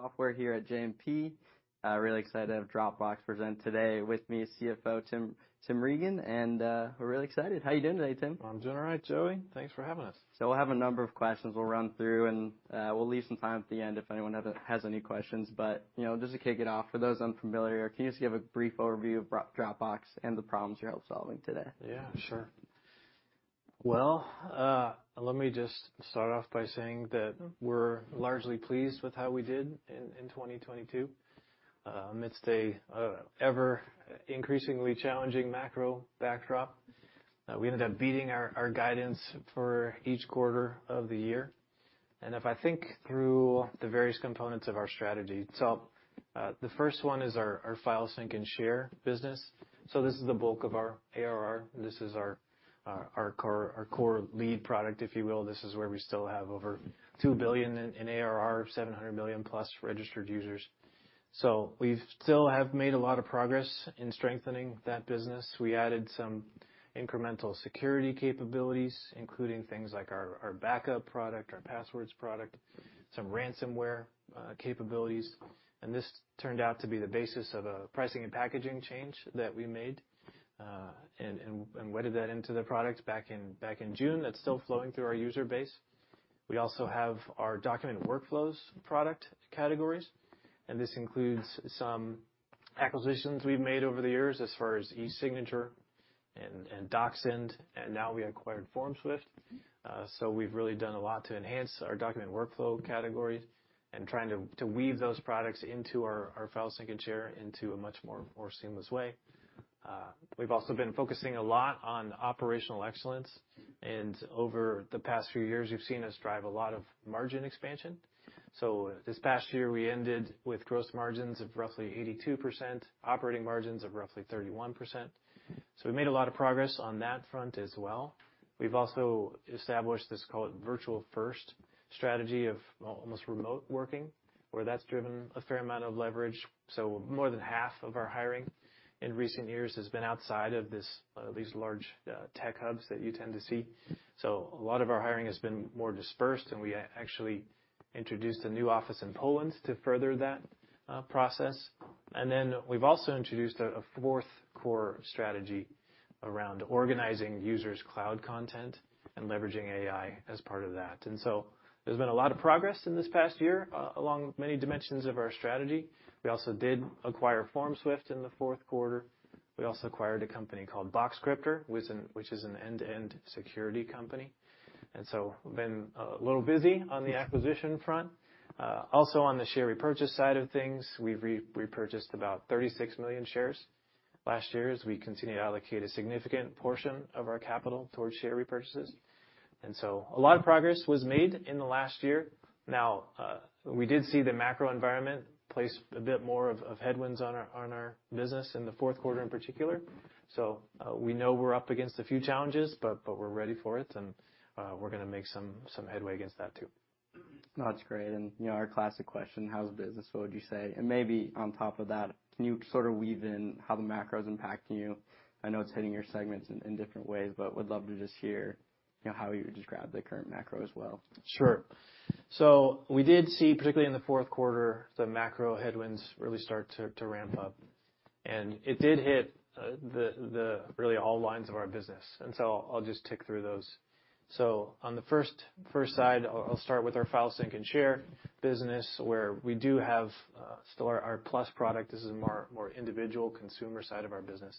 Software here at JMP. Really excited to have Dropbox present today. With me is CFO Tim Regan, and we're really excited. How you doing today, Tim? I'm doing all right, Joey. Thanks for having us. We'll have a number of questions we'll run through, and, we'll leave some time at the end if anyone has any questions. You know, just to kick it off, for those unfamiliar, can you just give a brief overview of Dropbox and the problems you're help solving today? Sure. Let me just start off by saying that we're largely pleased with how we did in 2022. Amidst a ever increasingly challenging macro backdrop, we ended up beating our guidance for each quarter of the year. If I think through the various components of our strategy, so the first one is our file sync and share business. This is the bulk of our ARR. This is our core lead product, if you will. This is where we still have over $2 billion in ARR, 700 million+ registered users. We've still have made a lot of progress in strengthening that business. We added some incremental security capabilities, including things like our backup product, our passwords product, some ransomware capabilities. This turned out to be the basis of a pricing and packaging change that we made, and wedded that into the product back in June. That's still flowing through our user base. We also have our document workflows product categories, and this includes some acquisitions we've made over the years as far as Dropbox Sign and DocSend, and now we acquired FormSwift. We've really done a lot to enhance our document workflow category and trying to weave those products into our file sync and share into a much more seamless way. We've also been focusing a lot on operational excellence, and over the past few years, you've seen us drive a lot of margin expansion. This past year, we ended with gross margins of roughly 82%, operating margins of roughly 31%. We made a lot of progress on that front as well. We've also established this call it Virtual First strategy of, well, almost remote working, where that's driven a fair amount of leverage. More than half of our hiring in recent years has been outside of these large tech hubs that you tend to see. A lot of our hiring has been more dispersed, and we actually introduced a new office in Poland to further that process. We've also introduced a fourth core strategy around organizing users' cloud content and leveraging AI as part of that. There's been a lot of progress in this past year along many dimensions of our strategy. We also did acquire FormSwift in the fourth quarter. We also acquired a company called Boxcryptor, which is an end-to-end security company. We've been a little busy on the acquisition front. Also on the share repurchase side of things, we've repurchased about 36 million shares last year as we continue to allocate a significant portion of our capital towards share repurchases. A lot of progress was made in the last year. Now, we did see the macro environment place a bit more of headwinds on our business in the fourth quarter in particular. We know we're up against a few challenges, but we're ready for it, and we're gonna make some headway against that too. No, that's great. You know, our classic question, how's business? What would you say? Maybe on top of that, can you sort of weave in how the macro's impacting you? I know it's hitting your segments in different ways, but would love to just hear, you know, how you would describe the current macro as well. Sure. We did see, particularly in the fourth quarter, the macro headwinds really start to ramp up, and it did hit the really all lines of our business. I'll just tick through those. On the first side, I'll start with our file sync and share business, where we do have still our Plus product. This is more individual consumer side of our business.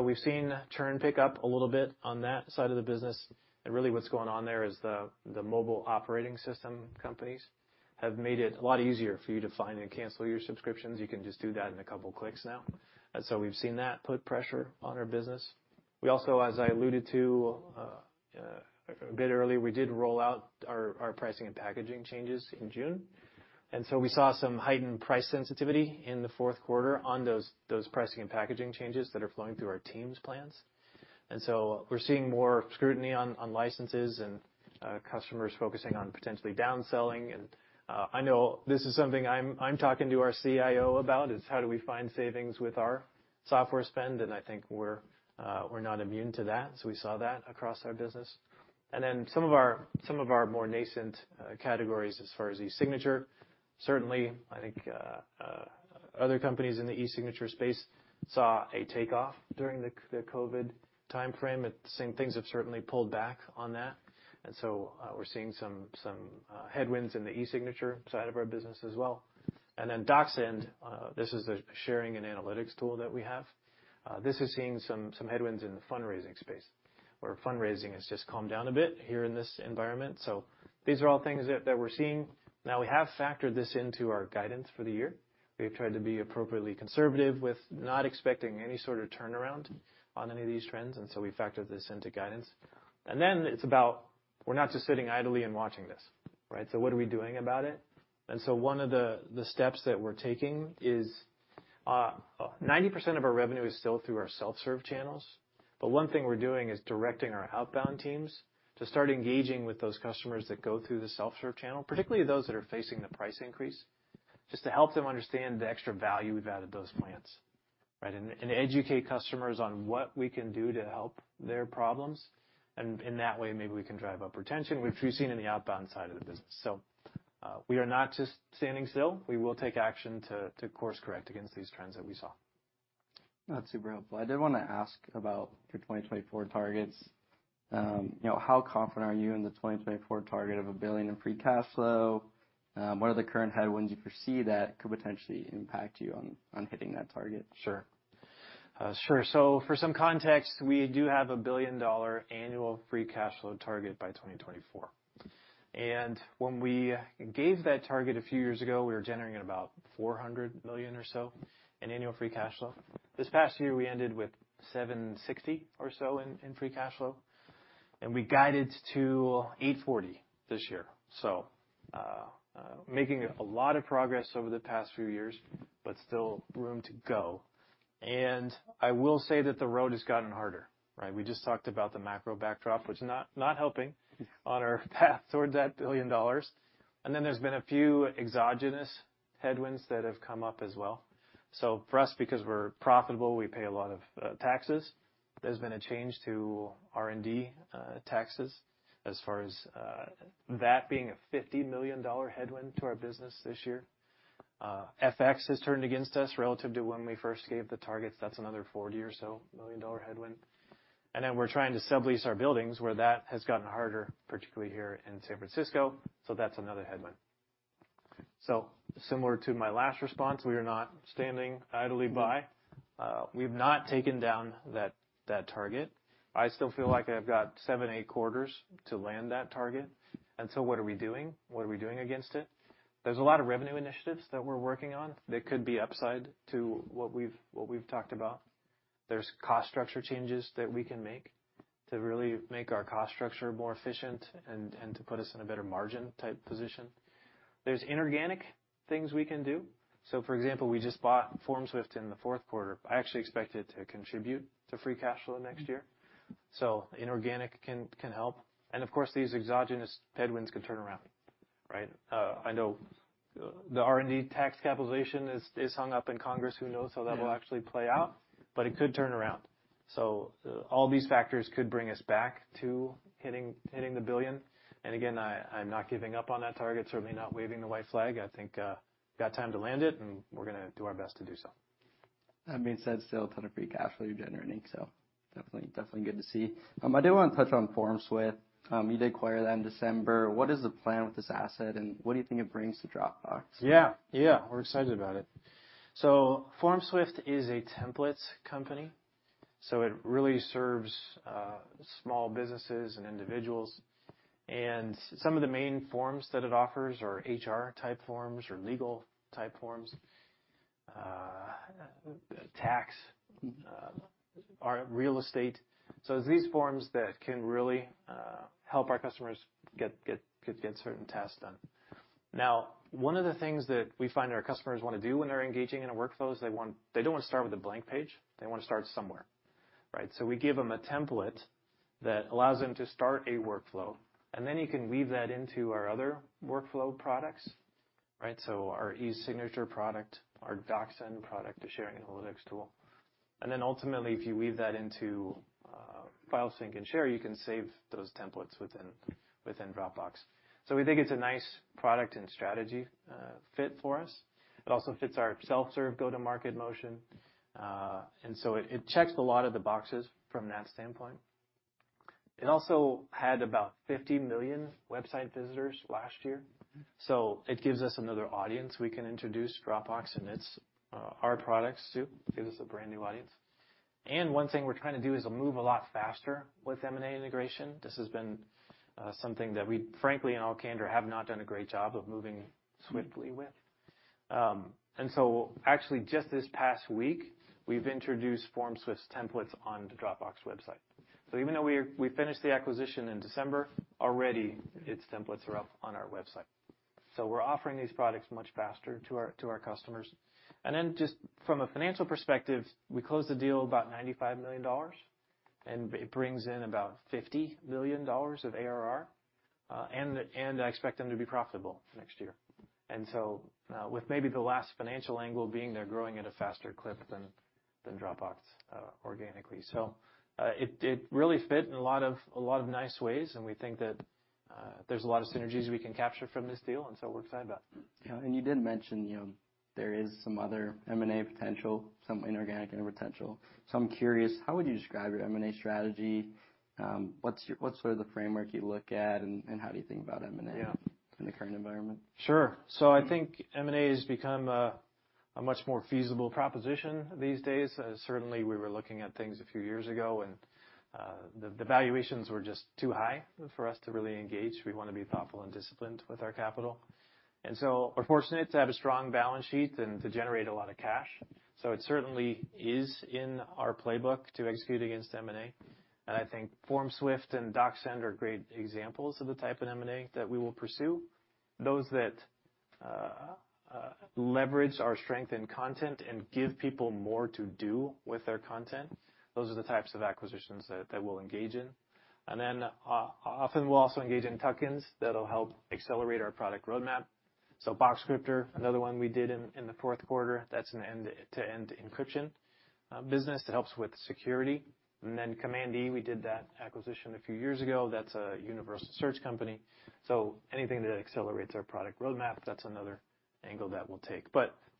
We've seen churn pick up a little bit on that side of the business, and really what's going on there is the mobile operating system companies have made it a lot easier for you to find and cancel your subscriptions. You can just do that in a couple clicks now. We've seen that put pressure on our business. We also, as I alluded to, a bit earlier, we did roll out our pricing and packaging changes in June. We saw some heightened price sensitivity in the fourth quarter on those pricing and packaging changes that are flowing through our teams plans. We're seeing more scrutiny on licenses and customers focusing on potentially downselling. I know this is something I'm talking to our CIO about, is how do we find savings with our software spend? I think we're not immune to that. We saw that across our business. Some of our more nascent categories as far as eSignature, certainly I think other companies in the eSignature space saw a takeoff during the COVID timeframe. Same things have certainly pulled back on that. We're seeing some headwinds in the eSignature side of our business as well. DocSend, this is a sharing and analytics tool that we have. This is seeing some headwinds in the fundraising space, where fundraising has just calmed down a bit here in this environment. These are all things that we're seeing. Now, we have factored this into our guidance for the year. We've tried to be appropriately conservative with not expecting any sort of turnaround on any of these trends, we factored this into guidance. It's about we're not just sitting idly and watching this, right? What are we doing about it? One of the steps that we're taking is 90% of our revenue is still through our self-serve channels, but one thing we're doing is directing our outbound teams to start engaging with those customers that go through the self-serve channel, particularly those that are facing the price increase, just to help them understand the extra value we've added those plans, right? Educate customers on what we can do to help their problems. In that way, maybe we can drive up retention, which we've seen in the outbound side of the business. We are not just standing still. We will take action to course-correct against these trends that we saw. That's super helpful. I did wanna ask about your 2024 targets. You know, how confident are you in the 2024 target of $1 billion in free cash flow? What are the current headwinds you foresee that could potentially impact you on hitting that target? Sure. Sure. For some context, we do have a $1 billion annual free cash flow target by 2024. When we gave that target a few years ago, we were generating about $400 million or so in annual free cash flow. This past year, we ended with $760 million or so in free cash flow, we guided to $840 million this year. Making a lot of progress over the past few years, but still room to go. I will say that the road has gotten harder, right? We just talked about the macro backdrop, which is not helping on our path towards that $1 billion. There's been a few exogenous headwinds that have come up as well. For us, because we're profitable, we pay a lot of taxes. There's been a change to R&D taxes as far as that being a $50 million headwind to our business this year. FX has turned against us relative to when we first gave the targets. That's another $40 million or so headwind. We're trying to sublease our buildings where that has gotten harder, particularly here in San Francisco. That's another headwind. Similar to my last response, we are not standing idly by. We've not taken down that target. I still feel like I've got 7, 8 quarters to land that target. What are we doing? What are we doing against it? There's a lot of revenue initiatives that we're working on that could be upside to what we've talked about. There's cost structure changes that we can make to really make our cost structure more efficient and to put us in a better margin-type position. There's inorganic things we can do. For example, we just bought FormSwift in the fourth quarter. I actually expect it to contribute to free cash flow next year. Inorganic can help. Of course, these exogenous headwinds could turn around, right? I know the R&D tax capitalization is hung up in Congress. Who knows how that will actually play out, but it could turn around. All these factors could bring us back to hitting the billion. Again, I'm not giving up on that target, certainly not waving the white flag. I think got time to land it, and we're gonna do our best to do so. That being said, still a ton of free cash flow you're generating. definitely good to see. I do wanna touch on FormSwift. you did acquire that in December. What is the plan with this asset, and what do you think it brings to Dropbox? Yeah. Yeah, we're excited about it. FormSwift is a templates company, so it really serves small businesses and individuals. Some of the main forms that it offers are HR-type forms or legal-type forms, tax, or real estate. It's these forms that can really help our customers get certain tasks done. Now, one of the things that we find our customers wanna do when they're engaging in a workflow is they don't wanna start with a blank page. They wanna start somewhere, right? We give them a template that allows them to start a workflow, and then you can weave that into our other workflow products, right? Our eSignature product, our DocSend product, the sharing analytics tool. Ultimately, if you weave that into file sync and share, you can save those templates within Dropbox. We think it's a nice product and strategy fit for us. It also fits our self-serve go-to-market motion. It checks a lot of the boxes from that standpoint. It also had about 50 million website visitors last year, so it gives us another audience we can introduce Dropbox, and it's our products too. Gives us a brand-new audience. One thing we're trying to do is move a lot faster with M&A integration. This has been something that we frankly, in all candor, have not done a great job of moving swiftly with. Actually just this past week, we've introduced FormSwift's templates on the Dropbox website. Even though we finished the acquisition in December, already its templates are up on our website. We're offering these products much faster to our customers. Just from a financial perspective, we closed the deal about $95 million, and it brings in about $50 million of ARR, and I expect them to be profitable next year. With maybe the last financial angle being they're growing at a faster clip than Dropbox, organically. It really fit in a lot of nice ways, and we think that there's a lot of synergies we can capture from this deal, and so we're excited about it. Yeah. You did mention, you know, there is some other M&A potential, some inorganic M&A potential. I'm curious, how would you describe your M&A strategy? What's sort of the framework you look at, and how do you think about M&A. Yeah. in the current environment? Sure. I think M&A has become a much more feasible proposition these days. Certainly, we were looking at things a few years ago, and the valuations were just too high for us to really engage. We wanna be thoughtful and disciplined with our capital. We're fortunate to have a strong balance sheet and to generate a lot of cash. It certainly is in our playbook to execute against M&A. I think FormSwift and DocSend are great examples of the type of M&A that we will pursue. Those that leverage our strength in content and give people more to do with their content, those are the types of acquisitions that we'll engage in. Often we'll also engage in tuck-ins that'll help accelerate our product roadmap. Boxcryptor, another one we did in the fourth quarter, that's an end-to-end encryption business. It helps with security. CommandE, we did that acquisition a few years ago. That's a universal search company. Anything that accelerates our product roadmap, that's another angle that we'll take.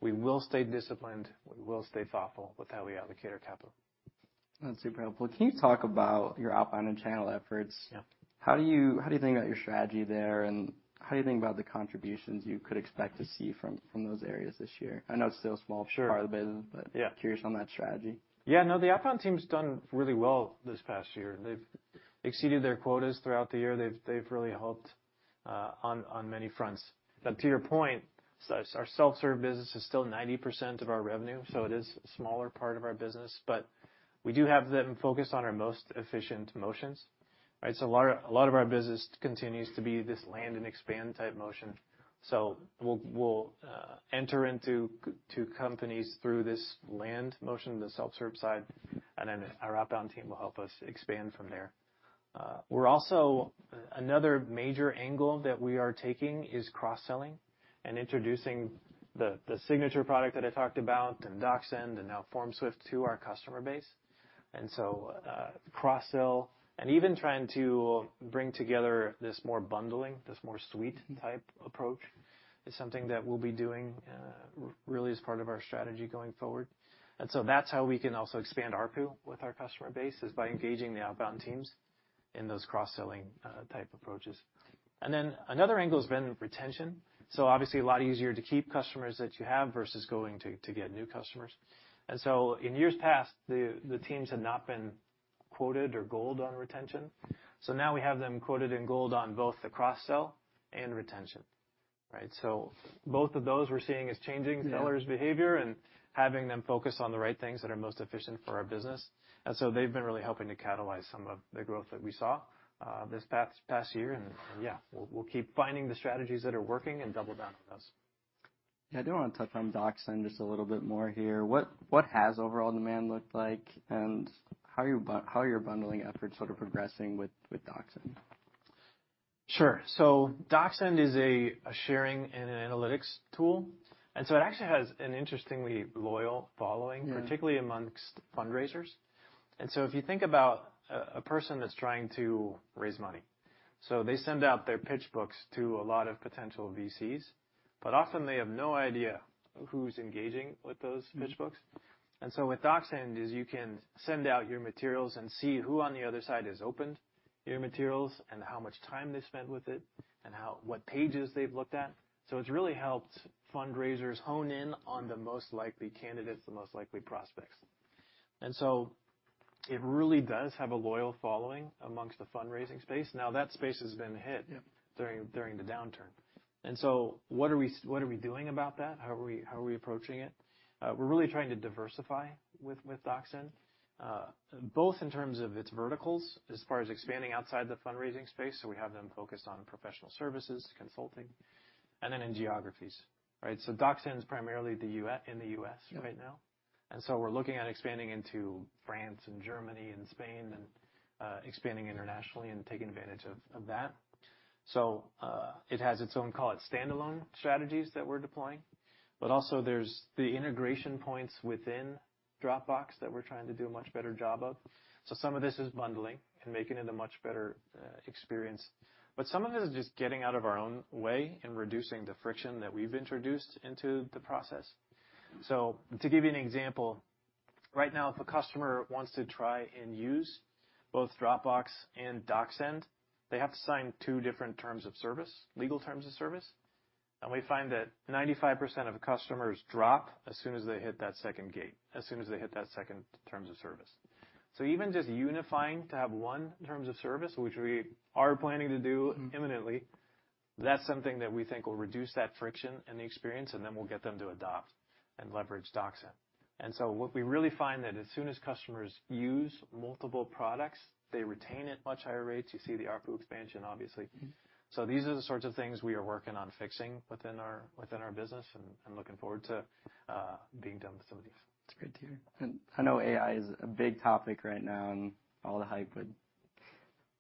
We will stay disciplined, we will stay thoughtful with how we allocate our capital. That's super helpful. Can you talk about your outbound and channel efforts? Yeah. How do you think about your strategy there, and how do you think about the contributions you could expect to see from those areas this year? I know it's still a small- Sure ...part of the business. Yeah curious on that strategy. Yeah, no, the outbound team's done really well this past year. They've exceeded their quotas throughout the year. They've really helped on many fronts. To your point, our self-serve business is still 90% of our revenue, so it is a smaller part of our business. We do have them focused on our most efficient motions, right? A lot of our business continues to be this land and expand type motion. We'll enter into two companies through this land motion, the self-serve side, and then our outbound team will help us expand from there. We're also another major angle that we are taking is cross-selling and introducing the signature product that I talked about, and DocSend, and now FormSwift to our customer base. cross-sell, and even trying to bring together this more bundling, this more suite-type approach, is something that we'll be doing, really as part of our strategy going forward. That's how we can also expand ARPU with our customer base, is by engaging the outbound teams in those cross-selling, type approaches. Another angle has been retention. Obviously, a lot easier to keep customers that you have versus going to get new customers. In years past, the teams had not been quoted or goaled on retention. Now we have them quoted and goaled on both the cross-sell and retention, right? Both of those we're seeing is changing sellers' behavior and having them focus on the right things that are most efficient for our business. They've been really helping to catalyze some of the growth that we saw, this past year. Yeah, we'll keep finding the strategies that are working and double down on those. Yeah. I do wanna touch on DocSend just a little bit more here. What has overall demand looked like, and how are your bundling efforts sort of progressing with DocSend? Sure. DocSend is a sharing and an analytics tool, and so it actually has an interestingly loyal following. Mm-hmm ...particularly amongst fundraisers. If you think about a person that's trying to raise money. They send out their pitch books to a lot of potential VCs, but often they have no idea who's engaging with those pitch books. With DocSend is you can send out your materials and see who on the other side has opened your materials and how much time they spent with it and what pages they've looked at. It's really helped fundraisers hone in on the most likely candidates, the most likely prospects. It really does have a loyal following amongst the fundraising space. Now, that space has been hit- Yeah ...during the downturn. What are we doing about that? How are we approaching it? We're really trying to diversify with DocSend, both in terms of its verticals as far as expanding outside the fundraising space, so we have them focused on professional services, consulting, and then in geographies, right? DocSend's primarily in the US right now. Yeah. We're looking at expanding into France and Germany and Spain and expanding internationally and taking advantage of that. It has its own, call it, standalone strategies that we're deploying, but also there's the integration points within Dropbox that we're trying to do a much better job of. Some of this is bundling and making it a much better experience, but some of it is just getting out of our own way and reducing the friction that we've introduced into the process. To give you an example, right now, if a customer wants to try and use both Dropbox and DocSend, they have to sign two different terms of service, legal terms of service. We find that 95% of customers drop as soon as they hit that second gate, as soon as they hit that second terms of service. Even just unifying to have one terms of service, which we are planning to do imminently, that's something that we think will reduce that friction in the experience, and then we'll get them to adopt and leverage DocSend. What we really find that as soon as customers use multiple products, they retain at much higher rates. You see the ARPU expansion, obviously. Mm-hmm. These are the sorts of things we are working on fixing within our business and looking forward to being done with some of these. That's great to hear. I know AI is a big topic right now and all the hype with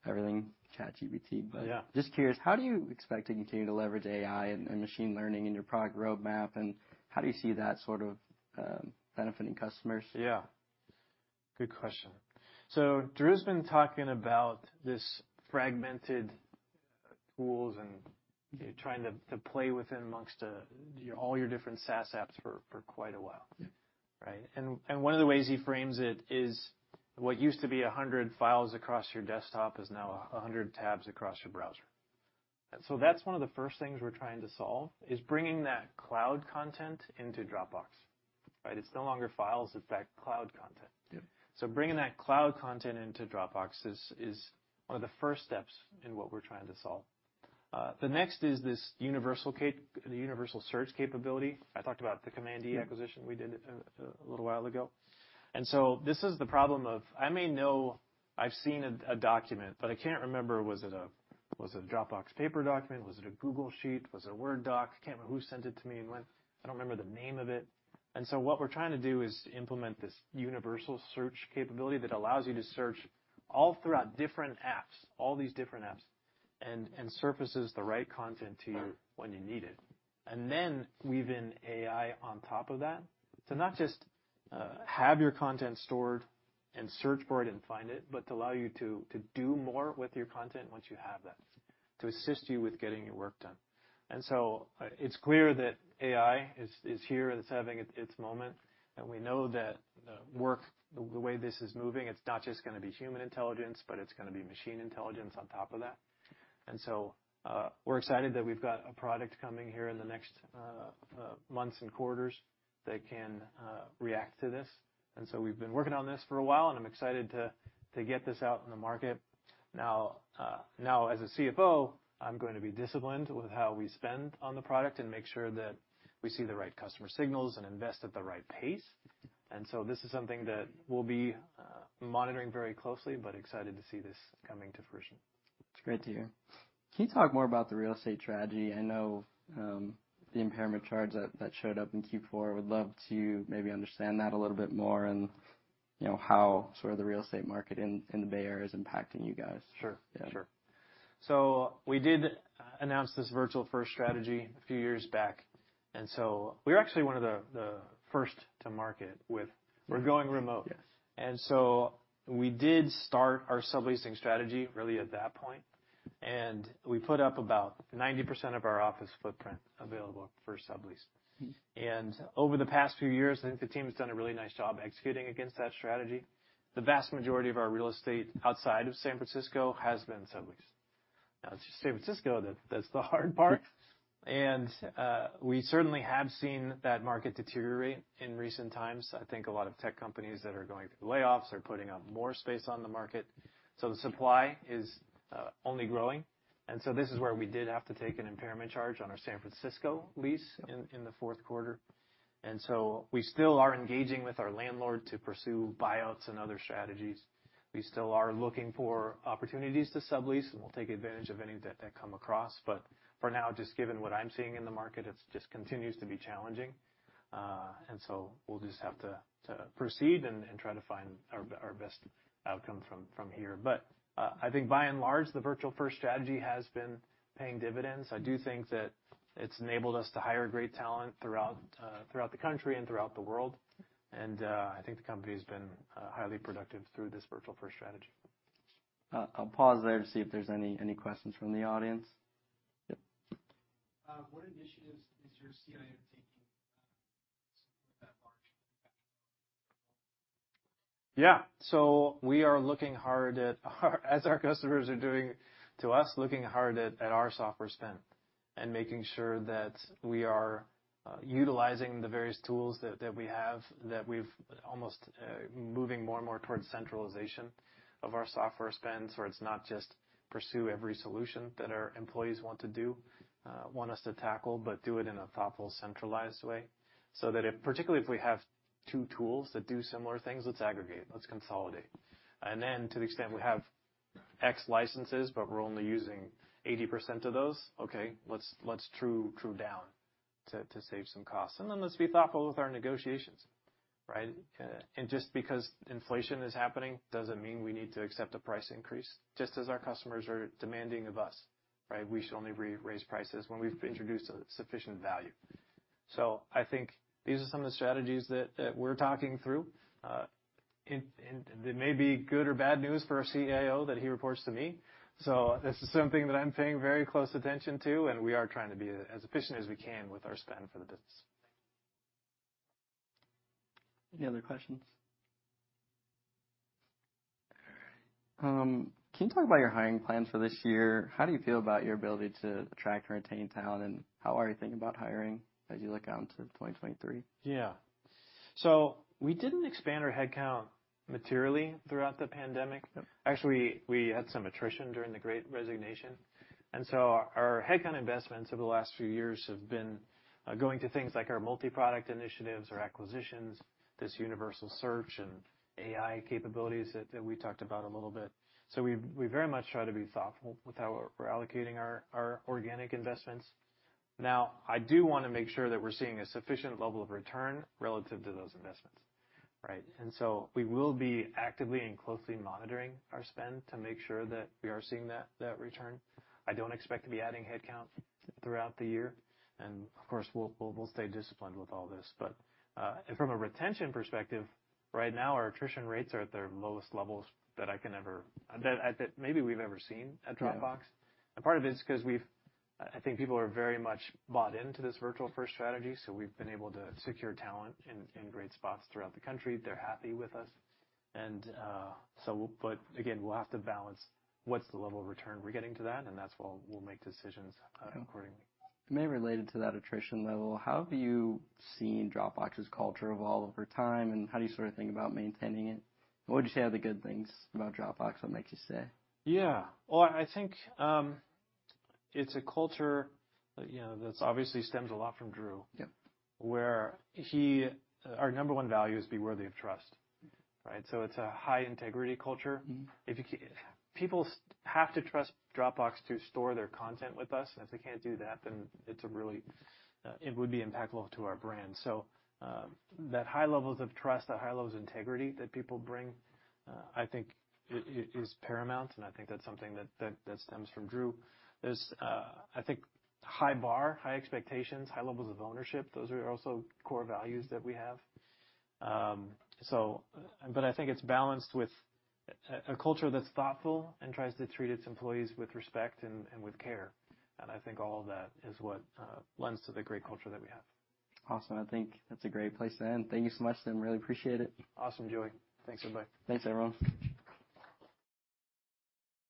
everything ChatGPT. Yeah. Just curious, how do you expect to continue to leverage AI and machine learning in your product roadmap, and how do you see that sort of benefiting customers? Yeah. Good question. Drew's been talking about this fragmented tools and trying to play within amongst all your different SaaS apps for quite a while. Yeah. Right? One of the ways he frames it is what used to be 100 files across your desktop is now 100 tabs across your browser. That's one of the first things we're trying to solve, is bringing that cloud content into Dropbox, right? It's no longer files, it's that cloud content. Yeah. Bringing that cloud content into Dropbox is one of the first steps in what we're trying to solve. The next is this universal search capability. I talked about the CommandE acquisition we did a little while ago. This is the problem of, I may know I've seen a document, but I can't remember was it a Dropbox Paper document? Was it a Google Sheet? Was it a Word doc? I can't remember who sent it to me and when. I don't remember the name of it. What we're trying to do is to implement this universal search capability that allows you to search all throughout different apps, all these different apps, and surfaces the right content to you when you need it. Weave in AI on top of that to not just have your content stored and search for it and find it, but to allow you to do more with your content once you have that, to assist you with getting your work done. It's clear that AI is here and it's having its moment, and we know that the way this is moving, it's not just gonna be human intelligence, but it's gonna be machine intelligence on top of that. We're excited that we've got a product coming here in the next months and quarters that can react to this. We've been working on this for a while, and I'm excited to get this out in the market. Now, as a CFO, I'm going to be disciplined with how we spend on the product and make sure that we see the right customer signals and invest at the right pace. This is something that we'll be monitoring very closely, but excited to see this coming to fruition. That's great to hear. Can you talk more about the real estate strategy? I know, the impairment charge that showed up in Q4. I would love to maybe understand that a little bit more and, you know, how sort of the real estate market in the Bay Area is impacting you guys. Sure. Yeah. Sure. We did announce this Virtual First strategy a few years back. We were actually one of the first to market with we're going remote. Yes. We did start our subleasing strategy really at that point, and we put up about 90% of our office footprint available for sublease. Mm-hmm. Over the past few years, I think the team has done a really nice job executing against that strategy. The vast majority of our real estate outside of San Francisco has been subleased. Now, it's San Francisco that's the hard part. We certainly have seen that market deteriorate in recent times. I think a lot of tech companies that are going through layoffs are putting up more space on the market, so the supply is only growing. This is where we did have to take an impairment charge on our San Francisco lease in the fourth quarter. We still are engaging with our landlord to pursue buyouts and other strategies. We still are looking for opportunities to sublease, and we'll take advantage of any that come across. For now, just given what I'm seeing in the market, it just continues to be challenging. We'll just have to proceed and try to find our best outcome from here. I think by and large, the Virtual First strategy has been paying dividends. I do think that it's enabled us to hire great talent throughout the country and throughout the world. I think the company has been highly productive through this Virtual First strategy. I'll pause there to see if there's any questions from the audience? Yep. What initiatives is your CIO taking to support that margin going forward? Yeah. We are looking hard at our as our customers are doing to us, looking hard at our software spend and making sure that we are utilizing the various tools that we have, that we've almost moving more and more towards centralization of our software spends, where it's not just pursue every solution that our employees want to do, want us to tackle, but do it in a thoughtful, centralized way. That if, particularly if we have two tools that do similar things, let's aggregate, let's consolidate. To the extent we have X licenses, but we're only using 80% of those, okay, let's true down to save some costs. Let's be thoughtful with our negotiations, right? Just because inflation is happening doesn't mean we need to accept a price increase. Just as our customers are demanding of us, right? We should only re-raise prices when we've introduced sufficient value. I think these are some of the strategies that we're talking through. They may be good or bad news for our CIO that he reports to me. This is something that I'm paying very close attention to, and we are trying to be as efficient as we can with our spend for the business. Any other questions? Can you talk about your hiring plans for this year? How do you feel about your ability to attract and retain talent? How are you thinking about hiring as you look out into 2023? Yeah. We didn't expand our headcount materially throughout the pandemic. Yep. Actually, we had some attrition during the great resignation. Our headcount investments over the last few years have been going to things like our multi-product initiatives or acquisitions, this universal search and AI capabilities that we talked about a little bit. We very much try to be thoughtful with how we're allocating our organic investments. Now, I do wanna make sure that we're seeing a sufficient level of return relative to those investments, right? We will be actively and closely monitoring our spend to make sure that we are seeing that return. I don't expect to be adding headcount throughout the year, and of course, we'll stay disciplined with all this. From a retention perspective, right now our attrition rates are at their lowest levels that maybe we've ever seen. Yeah... Dropbox. Part of it is 'cause I think people are very much bought into this Virtual First strategy, so we've been able to secure talent in great spots throughout the country. They're happy with us. Again, we'll have to balance what's the level of return we're getting to that, and that's why we'll make decisions accordingly. Maybe related to that attrition level, how have you seen Dropbox's culture evolve over time, and how do you sort of think about maintaining it? What would you say are the good things about Dropbox that make you stay? Yeah. Well, I think, it's a culture, you know, that's obviously stems a lot from Drew. Yeah. Our number one value is be worthy of trust, right? It's a high integrity culture. Mm-hmm. People have to trust Dropbox to store their content with us. If they can't do that, then it's a really, it would be impactful to our brand. That high levels of trust, that high levels of integrity that people bring, I think it is paramount, and I think that's something that stems from Drew. There's I think high bar, high expectations, high levels of ownership. Those are also core values that we have. I think it's balanced with a culture that's thoughtful and tries to treat its employees with respect and with care. I think all of that is what lends to the great culture that we have. Awesome. I think that's a great place to end. Thank you so much, Tim. Really appreciate it. Awesome, Joey. Thanks, everybody. Thanks, everyone.